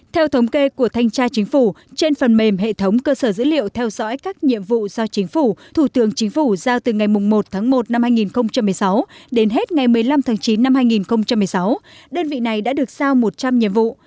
theo thống kê của thanh tra chính phủ trên phần mềm hệ thống cơ sở dữ liệu theo dõi các nhiệm vụ do chính phủ thủ tướng chính phủ giao từ ngày một tháng một năm hai nghìn một mươi sáu đến hết ngày một mươi năm tháng chín năm hai nghìn một mươi sáu đơn vị này đã được giao một trăm linh nhiệm vụ